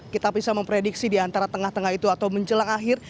kita bisa memprediksi di antara tengah tengah itu atau menjelang akhir